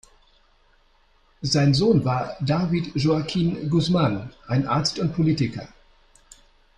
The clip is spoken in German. Sein Sohn war David Joaquín Guzmán ein Arzt und Politiker.